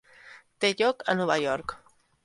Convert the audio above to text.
Té lloc a Nova York.